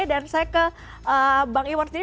dan saya ke bang iwan sendiri